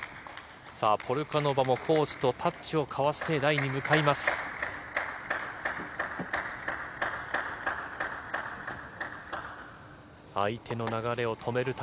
ポルカノバもコーチとタッチを交わして台に向かいました。